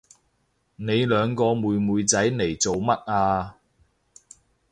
你兩個妹妹仔嚟做乜啊？